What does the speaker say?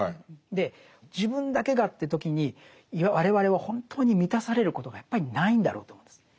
で自分だけがという時に我々は本当に満たされることがやっぱりないんだろうと思うんです。